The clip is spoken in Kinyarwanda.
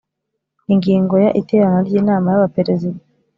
Ingingo ya iterana ry inama y abaperezida